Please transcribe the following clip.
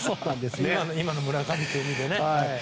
今の村上というのでね。